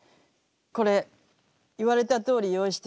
これ言われたとおり用意してきた。